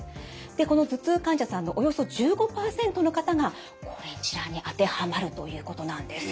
でこの頭痛患者さんのおよそ１５％の方がこれ一覧に当てはまるということなんです。